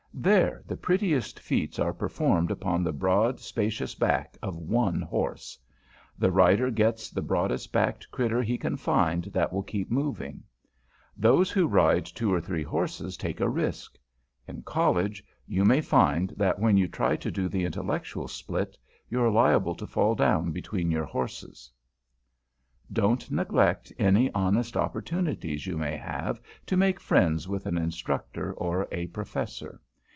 There the prettiest feats are performed upon the broad, spacious back of one horse. The rider gets the broadest backed critter he can find that will keep moving. Those who ride two and three horses take a risk. In College you may find that when you try to do the intellectual split, you're liable to fall down between your horses. [Sidenote: ABOUT MEETING PROFESSORS] Don't neglect any honest opportunities you may have to make friends with an Instructor or a Professor.